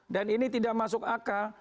dan ini tidak masuk akal